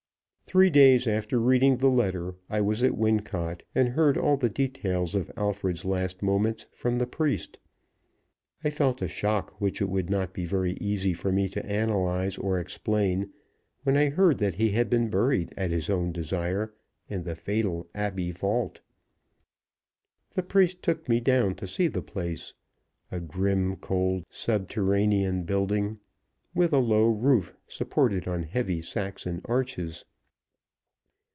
Three days after reading the letter I was at Wincot, and heard all the details of Alfred's last moments from the priest. I felt a shock which it would not be very easy for me to analyze or explain when I heard that he had been buried, at his own desire, in the fatal Abbey vault. The priest took me down to see the place a grim, cold, subterranean building, with a low roof, supported on heavy Saxon arches.